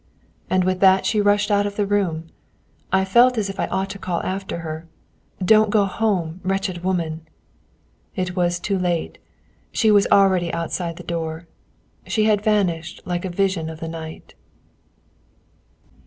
And with that she rushed out of the room. I felt as if I ought to call after her: "Don't go home, wretched woman!" It was too late. She was already outside the door. She had vanished like a vision of the night.